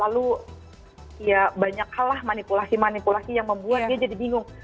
lalu ya banyak hal lah manipulasi manipulasi yang membuat dia jadi bingung